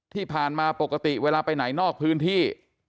ที่ผ่านมาปกติเวลาไปไหนนอกพื้นที่